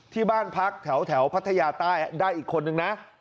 ที่บ้านพักแถวพัทยาใต้ได้อีกคนนึงนะ